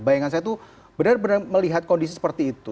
bayangan saya tuh benar benar melihat kondisi seperti itu